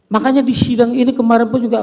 makanya di sidang ini kemarin pun juga